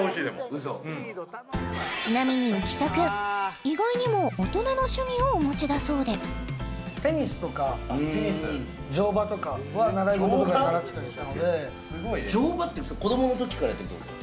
うんちなみに浮所君意外にも大人の趣味をお持ちだそうでは習い事とかで習ってたりしたので乗馬ってさ子供のときからやってるってこと？